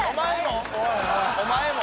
お前も？